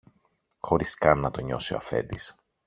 χωρίς καν να το νιώσει ο Αφέντης.